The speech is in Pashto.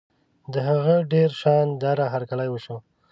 د هغه ډېر شان داره هرکلی وشو.